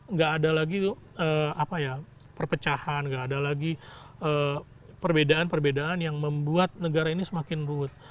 nggak ada lagi perpecahan nggak ada lagi perbedaan perbedaan yang membuat negara ini semakin ruhut